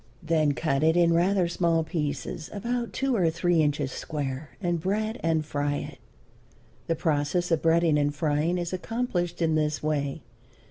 Then cut it in rather small pieces, about two or three inches square, and bread and fry it. The process of breading and frying is accomplished in this way.